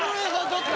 ちょっと！